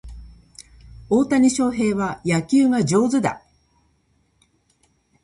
大谷翔平は野球が上手だ